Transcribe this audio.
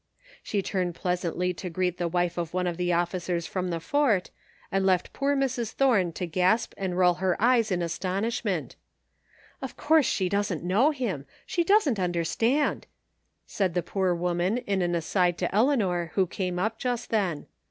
'* She turned pleasantly to greet the wife of one of the officers from the Fort and left poor Mrs. Thome to gasp and roll her qres in astonishment " Of course she doesn't know him ; she doesn't understand," said the poor woman in an aside to Eleanor who came up just then.